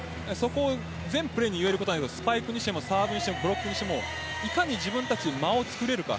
全プレーに言えることですがスパイクにしてもサーブにしてもブロックにしてもいかに自分たちで間をつくれるか。